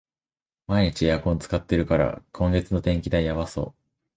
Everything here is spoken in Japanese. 毎日エアコン使ってるから、今月の電気代やばそう